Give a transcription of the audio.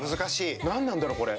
何なんだろうこれ。